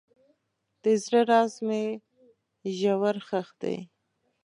د زړه راز مې ژور ښخ دی.